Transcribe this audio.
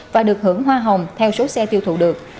và được hưởng hoa hồng theo số xe tiêu thụ được